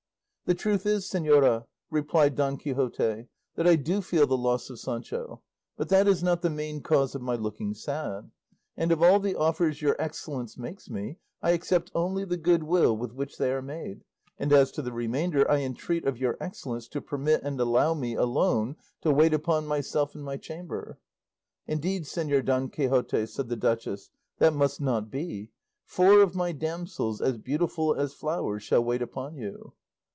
"The truth is, señora," replied Don Quixote, "that I do feel the loss of Sancho; but that is not the main cause of my looking sad; and of all the offers your excellence makes me, I accept only the good will with which they are made, and as to the remainder I entreat of your excellence to permit and allow me alone to wait upon myself in my chamber." "Indeed, Señor Don Quixote," said the duchess, "that must not be; four of my damsels, as beautiful as flowers, shall wait upon you."